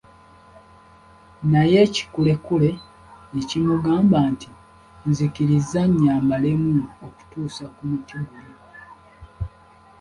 Naye ekikulekule ne kimugamba nti, nzikiriza nnyambalemu okutuusa ku muti guli.